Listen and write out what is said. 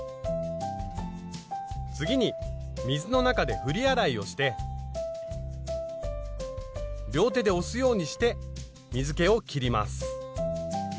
次に水の中で振り洗いをして両手で押すようにして水けをきります。